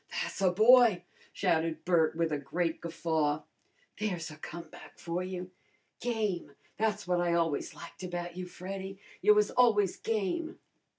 "Tha's a boy!" shouted Bert with a great guffaw. "There's a comeback for you! Game! Tha's what I always liked about you, Freddy. You was always game."